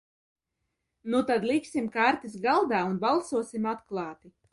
Nu tad liksim kārtis galdā un balsosim atklāti!